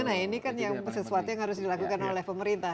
nah ini kan sesuatu yang harus dilakukan oleh pemerintah